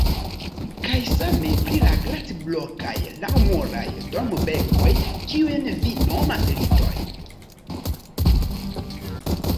Kaj same pri la glaciblokaj laŭmuraj dormbenkoj, kiujn vi nomas litoj.